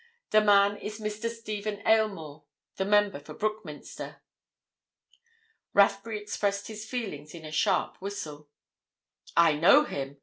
The man is Mr. Stephen Aylmore, the member for Brookminster." Rathbury expressed his feelings in a sharp whistle. "I know him!"